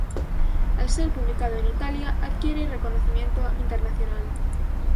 Al ser publicado en Italia, adquiere reconocimiento internacional.